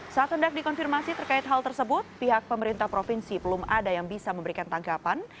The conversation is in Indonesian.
saat hendak dikonfirmasi terkait hal tersebut pihak pemerintah provinsi belum ada yang bisa memberikan tanggapan